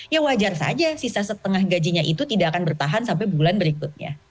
ya wajar saja sisa setengah gajinya itu tidak akan bertahan sampai bulan berikutnya